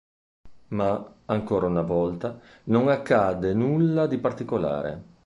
Ma, ancora una volta, non accade nulla di particolare.